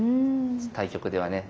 対局ではね